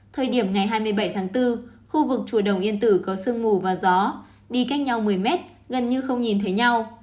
thời điểm ngày hai mươi bảy tháng bốn khu vực chùa đồng yên tử có sương mù và gió đi cách nhau một mươi mét gần như không nhìn thấy nhau